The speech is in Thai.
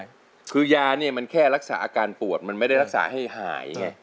คือยาเนี่ยมันแค่รักษาอาการปวดมันไม่ได้รักษาให้หายไง